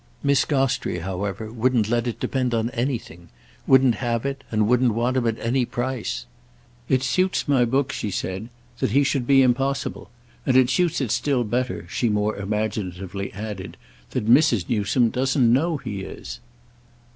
Miss Gostrey, however, wouldn't let it depend on anything—wouldn't have it, and wouldn't want him, at any price. "It suits my book," she said, "that he should be impossible; and it suits it still better," she more imaginatively added, "that Mrs. Newsome doesn't know he is."